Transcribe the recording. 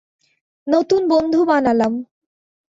নতুন বন্ধু বানালাম।